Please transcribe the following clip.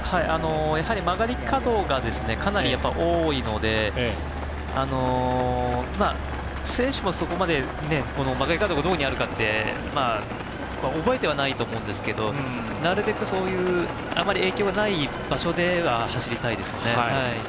やはり曲がり角がかなり多いので選手もそこまで曲がり角がどこにあるか覚えてはないと思うんですけどなるべく、そういう影響ない場所では走りたいですよね。